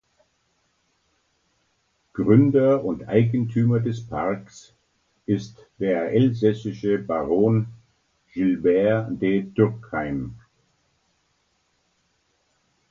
Gründer und Eigentümer des Parks ist der elsässische Baron Gilbert de Turckheim.